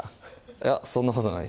いやそんなことないです